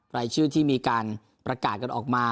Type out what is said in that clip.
รายชื่อที่มีการประกาศกันออกมา